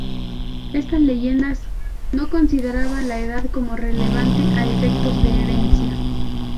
Estas leyes no consideraban la edad como relevante a efectos de herencia.